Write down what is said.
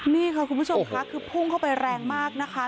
นี่ค่ะคุณผู้ชมค่ะคือพุ่งเข้าไปแรงมากนะคะ